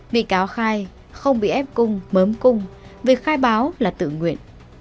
bị cáo khai không bị ép cung mớm cung vì khai báo là tự nguyện